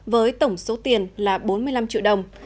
với tổng số tiền là bốn mươi năm triệu đồng